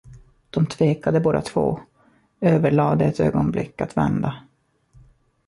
De tvekade båda två, överlade ett ögonblick att vända.